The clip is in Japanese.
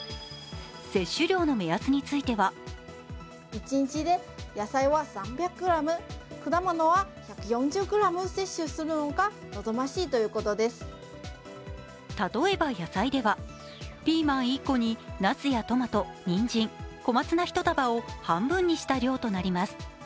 摂取量の目安については例えば、野菜ではピーマン１個になすやトマト、にんじん、小松菜１束を半分にした量となります。